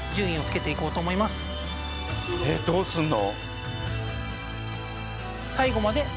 えっどうすんの？